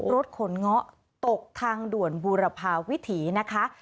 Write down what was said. รถขนเงาะตกทางด่วนบูรพาวิถีนะคะ